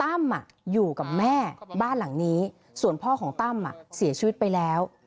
อยู่กับแม่บ้านหลังนี้ส่วนพ่อของตั้มเสียชีวิตไปแล้ว